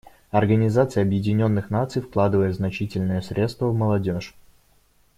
Организация Объединенных Наций вкладывает значительные средства в молодежь.